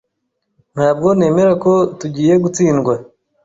Ntabwo nemera ko tugiye gutsindwa.